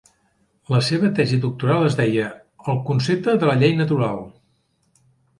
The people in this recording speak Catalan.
La seva tesis doctoral es deia "El concepte de la llei natural".